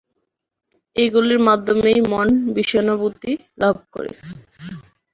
এইগুলির মাধ্যমেই মন বিষয়ানুভূতি লাভ করে।